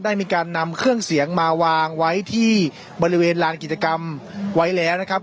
ได้มีการนำเครื่องเสียงมาวางไว้ที่บริเวณลานกิจกรรมไว้แล้วนะครับ